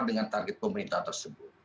dengan target pemerintah tersebut